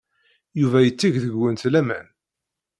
Yuba yetteg deg-went laman.